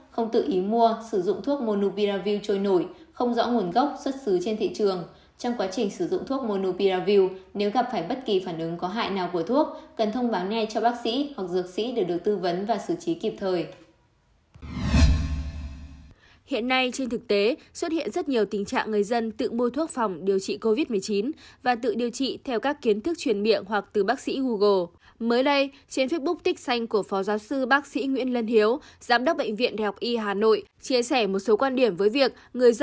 không tự ý mua sử dụng thuốc monupiravir trôi nổi